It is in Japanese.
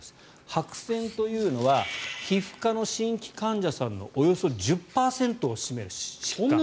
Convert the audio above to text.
白せんというのは皮膚科の新規患者さんのおよそ１０％を占める疾患。